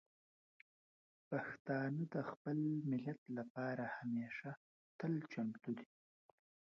پښتانه د خپل ملت لپاره همیشه تل چمتو دي.